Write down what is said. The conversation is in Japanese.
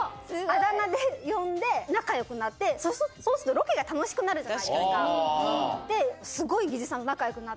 あだ名で呼んで仲よくなって、そうすると、ロケが楽しくなるじ